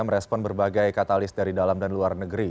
merespon berbagai katalis dari dalam dan luar negeri